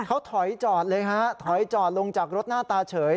เขาถอยจอดเลยฮะถอยจอดลงจากรถหน้าตาเฉย